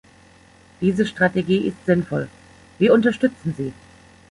Diese Strategie ist sinnvoll, wir unterstützen sie.